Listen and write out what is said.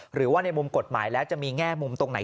หรือว่าในมุมกฎหมายแล้วจะมีแง่มุมตรงไหน